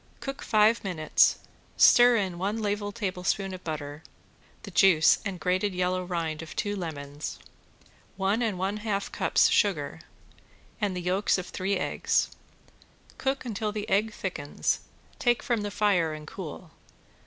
Cook five minutes; stir in one level tablespoon of butter, the juice and grated yellow rind of two lemons, one and one half cups of sugar, and the yolks of three eggs. Cook until the egg thickens, take from the fire and cool.